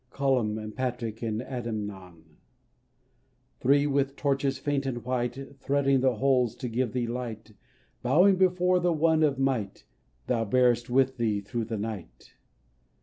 Columb, and Patrick, and Adamnan ! Three, with torches faint and white, Threading the holes to give thee light, Bowing before the One of might Thou bearest with thee through the night.